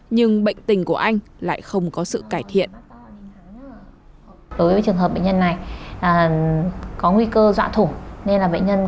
nhưng bệnh tình của anh lại không có sự cải thiện